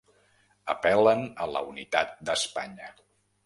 Apel·len a la ‘unitat d’Espanya’